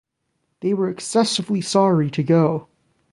They were excessively sorry to go!